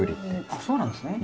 あっそうなんですね。